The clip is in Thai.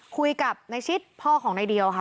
คุยกับในชิดพ่อของนายเดียวค่ะ